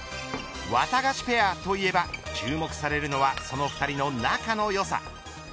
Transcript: ワタガシペアといえば注目されるのはその２人の仲のよさ。